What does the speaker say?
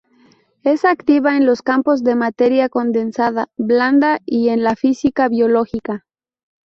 Es activa en los campos de materia condensada blanda y en la física biológica.